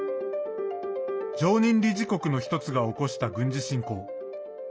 常任理事国の１つが起こした軍事侵攻。